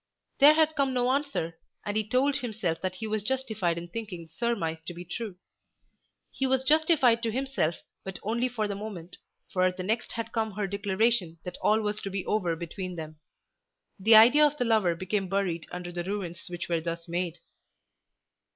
There had come no answer, and he told himself that he was justified in thinking the surmise to be true. He was justified to himself, but only for the moment, for at the next had come her declaration that all was to be over between them. The idea of the lover became buried under the ruins which were thus made.